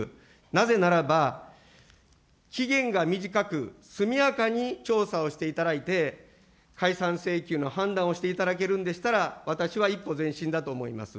なぜならば、期限が短く、速やかに調査をしていただいて、解散請求の判断をしていただけるんでしたら、私は一歩前進だと思います。